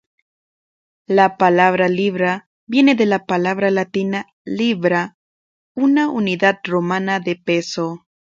La palabra libra viene de la palabra latina "libra", una unidad romana de peso.